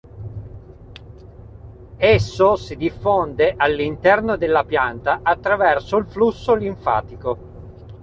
Esso si diffonde all'interno della pianta attraverso il flusso linfatico.